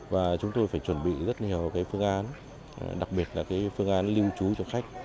và chúng tôi phải chuẩn bị rất nhiều phương án đặc biệt là phương án lưu trú cho khách